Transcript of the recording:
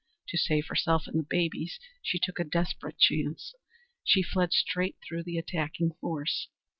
To save herself and the babies, she took a desperate chance. She fled straight through the attacking force.